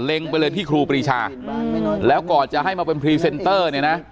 ไปเลยที่ครูปรีชาแล้วก่อนจะให้มาเป็นพรีเซนเตอร์เนี่ยนะ